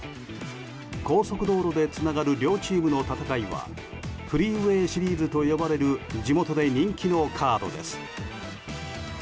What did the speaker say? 高速道路でつながる両チームの戦いはフリーウェイ・シリーズと呼ばれる地元で人気のカードです。